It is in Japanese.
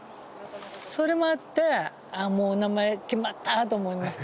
それもあってもう名前決まった！と思いました